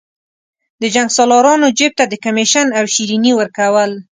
د جنګسالارانو جیب ته د کمېشن او شریني ورکول.